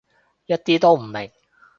一啲都唔明